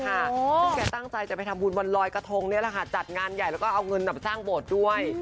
ซึ่งแกตั้งใจจะไปทำบุญวันลอยกระทงนี่แหละค่ะจัดงานใหญ่แล้วก็เอาเงินสร้างโบสถ์ด้วย